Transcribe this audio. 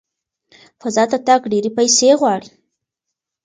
فضا ته تګ ډېرې پیسې غواړي.